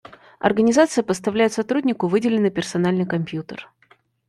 Организация поставляет сотруднику выделенный персональный компьютер